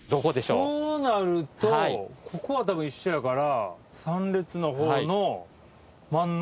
そうなるとここはたぶん一緒やから。